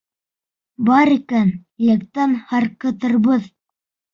Бар икән, иләктән һарҡытырбыҙ.